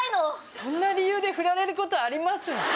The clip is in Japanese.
そんな理由でフラれることあります？